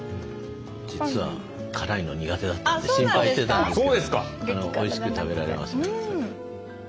実は辛いの苦手だったんで心配してたんですけどもおいしく食べられます。